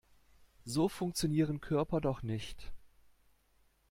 So funktionieren Körper doch nicht.